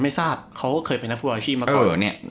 ไม่ทราบเขาก็เคยเป็นนักฟุตบอลอาชีพมาก่อน